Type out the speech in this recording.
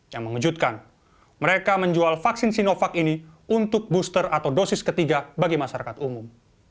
yang mengejutkan mereka menjual vaksin sinovac ini untuk booster atau dosis ketiga bagi masyarakat umum